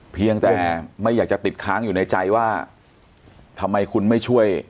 เพียงแต่ไม่อยากจะติดค้างอยู่ในใจว่าทำไมคุณไม่ช่วย